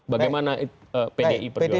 bagaimana pdi perjuangan